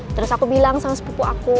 terus aku bilang sama sepupu aku